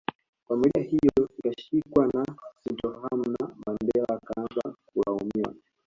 Familia hiyo ikashikwa na sintofahamu na Mandela akaanza kulaumiwa